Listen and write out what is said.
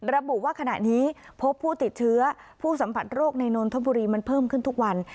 ระบุว่าขณะนี้พบผู้ติดเชื้อผู้สัมผัสโรคในนนทบุรีมันเพิ่มขึ้นทุกวัน